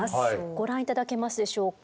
ご覧頂けますでしょうか？